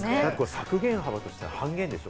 削減幅として半分でしょ？